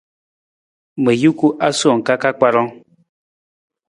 Ma juku asowang ka ka kparang.